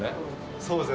そうですね。